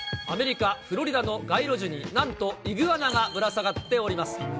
アメリカ・フロリダの街路樹に、なんとイグアナがぶら下がっております。